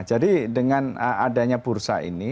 jadi dengan adanya bursa ini